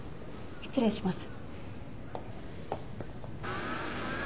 失礼します。